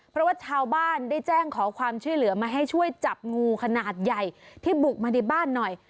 เพราะว่าชาวบ้านได้แจ้งขอความช่วยเหลือมาให้ช่วยจับงูขนาดใหญ่ที่บุกมาในบ้านหน่อย